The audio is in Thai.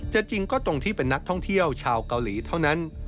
จริงก็ตรงที่เป็นนักท่องเที่ยวชาวเกาหลีเท่านั้น